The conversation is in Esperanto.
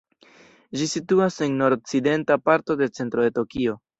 Ĝi situas en nord-okcidenta parto de centro de Tokio.